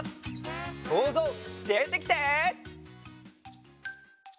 そうぞうでてきて！